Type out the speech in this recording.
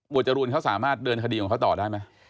จรูนเขาสามารถเดินคดีของเขาต่อได้ไหม